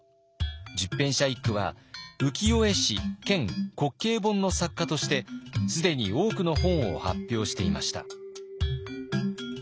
十返舎一九は浮世絵師兼滑稽本の作家として既に多くの本を発表していました。